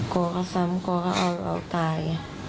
กลัวเขาซ้ำกลัวเขาเอาเราตาย